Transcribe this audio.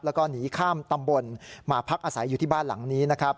แล้วก็หนีข้ามตำบลมาพักอาศัยอยู่ที่บ้านหลังนี้นะครับ